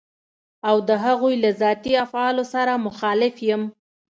او د هغوی له ذاتي افعالو سره مخالف يم.